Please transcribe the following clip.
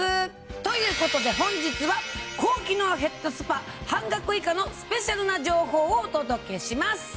ということで本日は高機能ヘッドスパ半額以下のスペシャルな情報をお届けします！